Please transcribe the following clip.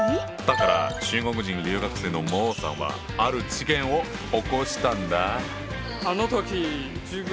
だから中国人留学生の孟さんはある事件を起こしたんだ。